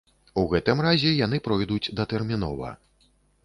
У гэтым разе яны пройдуць датэрмінова.